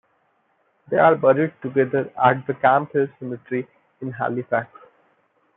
They are buried together at the Camp Hill Cemetery, in Halifax.